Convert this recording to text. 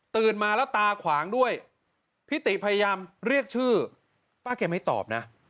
มาแล้วตาขวางด้วยพี่ติพยายามเรียกชื่อป้าแกไม่ตอบนะ